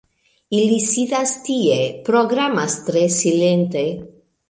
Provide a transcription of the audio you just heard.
Ili sidas tie, programas tre silente